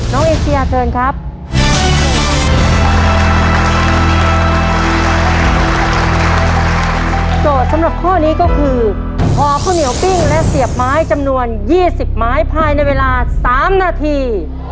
ห่อข้าวเหนียวปิ้งและเสียบไม้จำนวน๒๐ไม้ภายในเวลา๓นาที